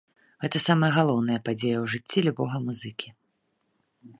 Гэта самая галоўная падзея ў жыцці любога музыкі.